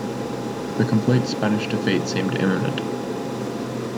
The complete Spanish defeat seemed imminent.